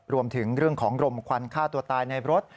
รวมถึงเรื่องของรมควันฆ่าตัวตายในรถ